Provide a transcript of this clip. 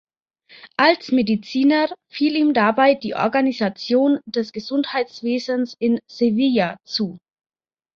Als Mediziner fiel ihm dabei die Organisation des Gesundheitswesens in Sevilla zu.